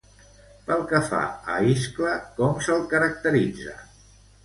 Pel que fa a Iscle, com se'l caracteritza?